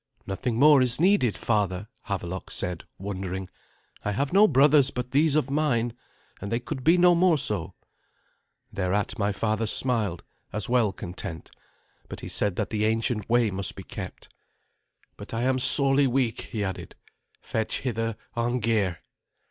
"Nothing more is needed, father," Havelok said, wondering. "I have no brothers but these of mine, and they could be no more so." Thereat my father smiled, as well content, but he said that the ancient way must he kept. "But I am sorely weak," he added. "Fetch hither Arngeir."